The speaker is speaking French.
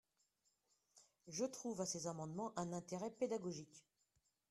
Je trouve à ces amendements un intérêt pédagogique.